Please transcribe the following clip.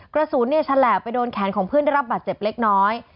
กระสุนฉลาบไปโดนแขนของเพื่อนได้รับบาดเจ็บเล็กน้อย